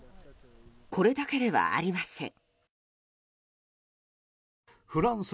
これだけではありません。